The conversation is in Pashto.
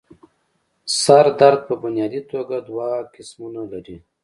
سر درد پۀ بنيادي توګه دوه قسمونه لري